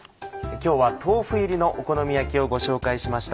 今日は豆腐入りのお好み焼きをご紹介しました。